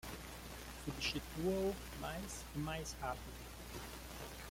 Substitua-o mais e mais rápido